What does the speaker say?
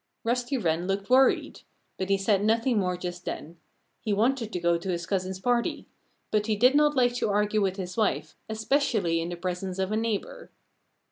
Rusty Wren looked worried. But he said nothing more just then. He wanted to go to his cousin's party. But he did not like to argue with his wife, especially in the presence of a neighbor.